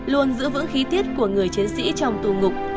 luôn giữ vững khí tiết của người chiến sĩ trong tù ngục